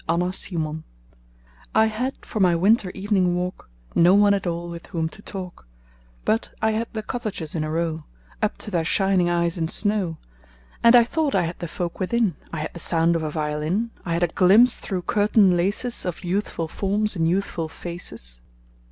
Good Hours I HAD for my winter evening walk No one at all with whom to talk, But I had the cottages in a row Up to their shining eyes in snow. And I thought I had the folk within: I had the sound of a violin; I had a glimpse through curtain laces Of youthful forms and youthful faces.